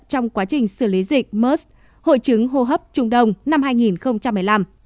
trong quá trình xử lý dịch mers hội chứng hô hấp trung đông năm hai nghìn một mươi năm